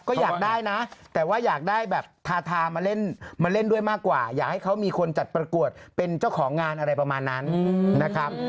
ก็อยากได้นะแต่ว่าอยากได้แบบทาทามาเล่นมาเล่นด้วยมากกว่าอยากให้เขามีคนจัดประกวดเป็นเจ้าของงานอะไรประมาณนั้นนะครับ